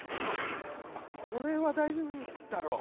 ・これは大丈夫だろ。